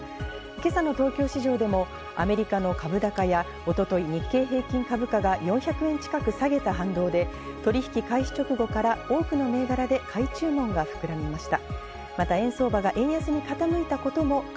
今朝の東京市場でもアメリカの株高や、一昨日、日経平均株価が４００円近く下げた反動で、取引開始直後から多くの銘柄で買い注文が膨らみました。